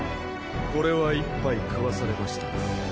これは一杯食わされましたな。